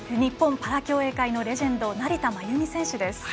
パラ競泳界のレジェンド成田真由美選手です。